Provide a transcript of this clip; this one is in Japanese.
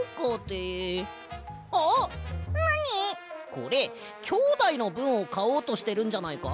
これきょうだいのぶんをかおうとしてるんじゃないか？